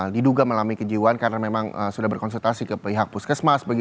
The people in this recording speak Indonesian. diduga melami kejiwaan karena memang sudah berkonsultasi ke pihak puskesmas